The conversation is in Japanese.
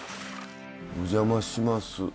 お邪魔します。